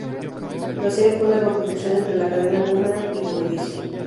La serie fue una co-producción entre la cadena Boomerang y Venevisión.